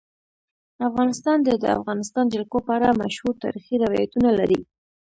افغانستان د د افغانستان جلکو په اړه مشهور تاریخی روایتونه لري.